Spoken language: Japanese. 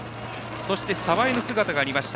そして、鯖江の姿がありました。